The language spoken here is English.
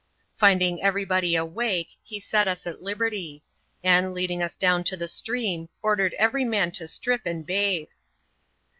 Finding every body awake, he set us at liberty ; and, lead ing us down to the stream, ordered every man to strip and bathe.